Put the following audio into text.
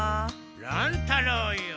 乱太郎よ。